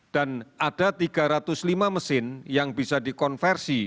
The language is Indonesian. dan ada tiga ratus lima mesin yang bisa dikonversi